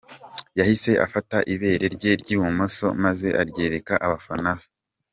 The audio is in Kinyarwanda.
Yahise afata ibere rye ry’iburyo maze aryereka abafana be.